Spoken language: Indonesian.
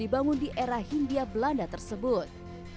dibangun di era hindia belanda tersebut